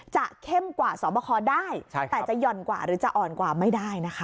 เข้มกว่าสอบคอได้แต่จะห่อนกว่าหรือจะอ่อนกว่าไม่ได้นะคะ